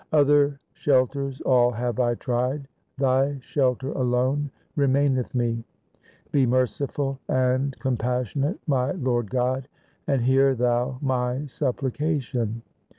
Other shelters all have I tried : Thy shelter alone re maineth me. Be merciful and compassionate, my Lord God, and hear Thou my supplication.